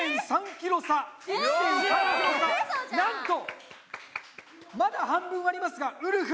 なんとまだ半分ありますがウルフ